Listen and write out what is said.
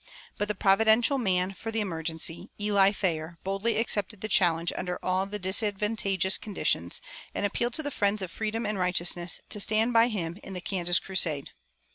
But the providential man for the emergency, Eli Thayer, boldly accepted the challenge under all the disadvantageous conditions, and appealed to the friends of freedom and righteousness to stand by him in "the Kansas Crusade."